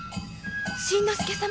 真之介様